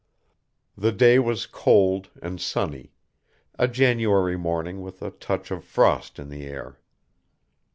The day was cold and sunny, a January morning with a touch of frost in the air.